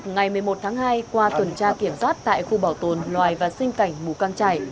ngày một mươi một tháng hai qua tuần tra kiểm soát tại khu bảo tồn loài và sinh cảnh mù căng trải